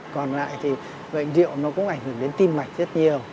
còn lại thì bệnh rượu nó cũng ảnh hưởng đến tim mạch rất nhiều